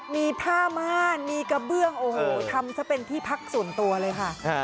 มีผ้าม่านมีกระเบื้องโอ้โหทำซะเป็นที่พักส่วนตัวเลยค่ะ